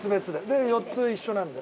で４つ一緒なので。